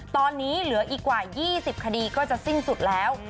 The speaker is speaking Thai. ตอนนี้เหลืออีกกว่า๒๐คดีก็จะสิ้นสุดแล้ว